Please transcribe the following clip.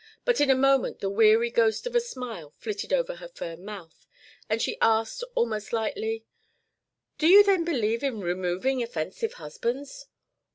But in a moment the weary ghost of a smile flitted over her firm mouth, and she asked almost lightly: "Do you then believe in removing offensive husbands?"